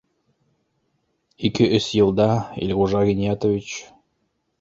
Ике-өс йылда, Илғужа Ғиниәтович